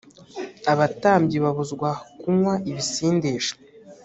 abatambyi babuzwa kunywa ibisindisha